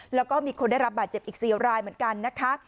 แล้วก็มีคนได้รับบาดเจ็บอีก๔รายเหมือนกันนะคะ